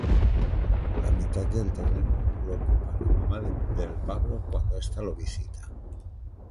La mitad del terreno lo ocupa la mama del Pablo cuando esta lo visita.